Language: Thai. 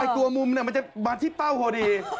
ตัวมุมมันจะมาที่เป้าพอดี